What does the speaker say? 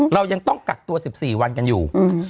เรายังต้องกักตัว๑๔วันกันอยู่